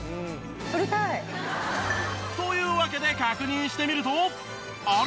撮りたい。というわけで確認してみるとあれ？